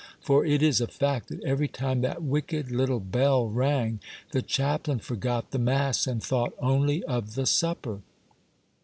For it is a fact that every time that wicked little bell rang, Yule Tide Stories. 263 the chaplain forgot the mass and thought only of the supper.